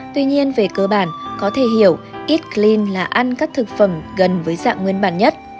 tuy nhiên về cơ bản có thể hiểu ít glun là ăn các thực phẩm gần với dạng nguyên bản nhất